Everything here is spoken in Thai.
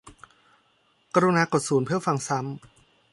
กรุณากดศูนย์เพื่อฟังซ้ำ